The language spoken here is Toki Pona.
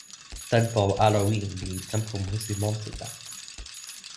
tenpo Alowin li tenpo musi monsuta.